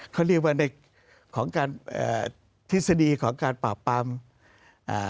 เขาเรียกว่าในของการเอ่อทฤษฎีของการปราบปรามอ่า